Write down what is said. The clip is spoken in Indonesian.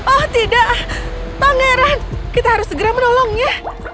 oh tidak pangeran kita harus segera menolongnya